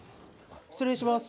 失礼します